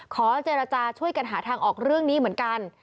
ขอเจรจาช่วยกันหาทางออกเรื่องนี้เหมือนกัน